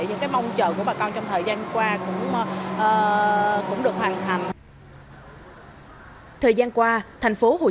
những cái mong chờ của bà con trong thời gian qua cũng được hoàn thành thời gian qua thành phố hồ